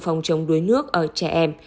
phòng chống đuối nước ở trẻ em